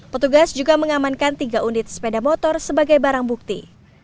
petugas juga mengamankan tiga unit sepeda motor sebagai barang bukti